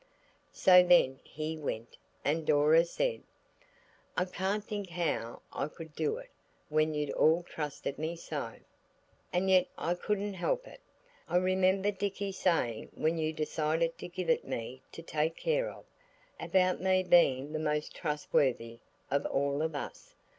So then he went, and Dora said– "I can't think how I could do it when you'd all trusted me so. And yet I couldn't help it. I remember Dicky saying when you decided to give it me to take care of–about me being the most trustworthy of all of us.